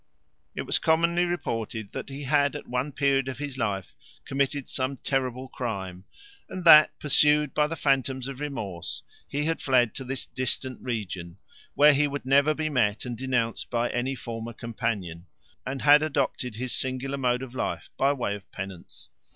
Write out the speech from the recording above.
It was commonly reported that he had at one period of his life committed some terrible crime, and that, pursued by the phantoms of remorse, he had fled to this distant region, where he would never be met and denounced by any former companion, and had adopted his singular mode of life by way of penance.